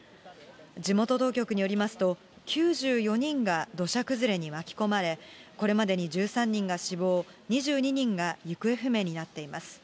地元当局によりますと、９４人が土砂崩れに巻き込まれ、これまでに１３人が死亡、２２人が行方不明になっています。